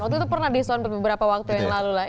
waktu itu pernah dison beberapa waktu yang lalu lah